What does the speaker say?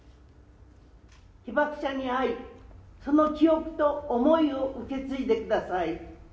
被爆者に会い、その記憶と思いを受け継いでください。